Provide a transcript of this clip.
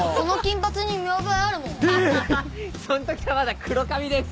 そん時はまだ黒髪です！